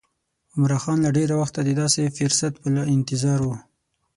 عمرا خان له ډېره وخته د داسې فرصت په انتظار و.